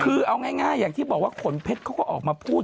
คือเอาง่ายอย่างที่บอกว่าขนเพชรเขาก็ออกมาพูด